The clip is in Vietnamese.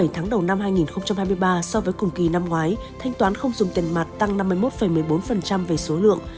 bảy tháng đầu năm hai nghìn hai mươi ba so với cùng kỳ năm ngoái thanh toán không dùng tiền mặt tăng năm mươi một một mươi bốn về số lượng